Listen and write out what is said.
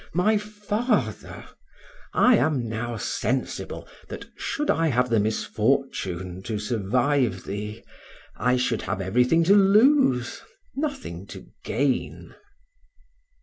my father, I am now sensible that, should I have the misfortune to survive thee, I should have everything to lose, nothing to gain.